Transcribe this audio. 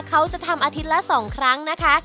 เขาจะทำอาทิตย์ละ๒ครั้งนะคะ